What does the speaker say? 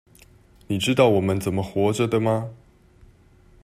你知道我們怎麼活著的嗎？